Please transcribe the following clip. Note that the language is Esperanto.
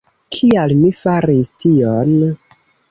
Kial mi faris tion?